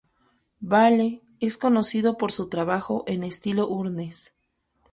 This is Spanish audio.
Balle es conocido por su trabajo en estilo Urnes.